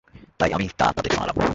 তাই আমি তা তাদের শুনালাম।